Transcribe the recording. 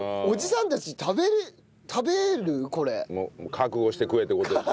覚悟して食えって事ですよ。